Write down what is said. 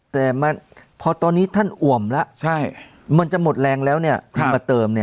แต่พอตอนนี้ท่านอ่วมแล้วมันจะหมดแรงแล้วมาเติม